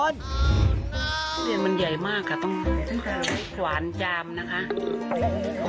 ทุเรียนมันใหญ่มากค่ะต้องจามหวานจามนะคะ